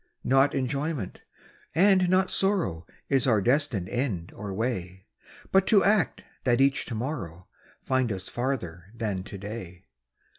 Not enjoyment, and not sorrow, Is our destined end or way; But to act, that each to morrow Find us farther than to day.